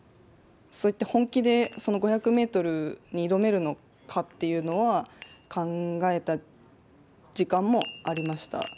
そういって本気で５００ｍに挑めるのかっていうのは考えた時間もありました。